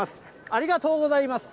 ありがとうございます。